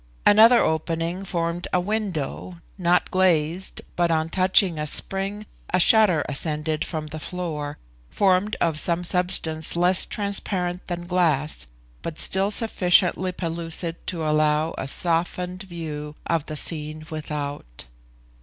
Another opening formed a window, not glazed, but on touching a spring, a shutter ascended from the floor, formed of some substance less transparent than glass, but still sufficiently pellucid to allow a softened view of the scene without.